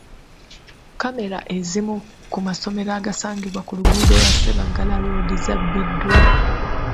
Kkamera ezimu ku masomero agasangibwa ku luguudo lwa Ssebaggala Road zabbiddwa.